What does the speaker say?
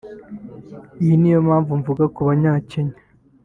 Iyi ni yo mpamvu mvuga ko ku banyakenya